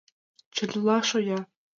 Чыла шоя!